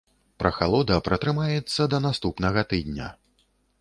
Прахалода пратрымаецца да наступнага тыдня.